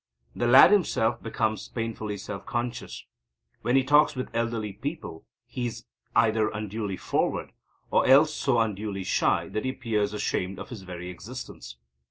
The lad himself becomes painfully self conscious. When he talks with elderly people he is either unduly forward, or else so unduly shy that he appears ashamed of his very existence.